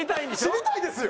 知りたいですよ！